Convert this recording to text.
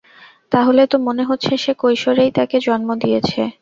তাহলে তো মনে হচ্ছে সে কৈশোরেই তাকে জন্ম দিয়েছে।